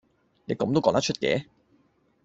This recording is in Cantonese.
你咁都講得出嘅